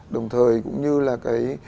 đồng thời cũng như là cái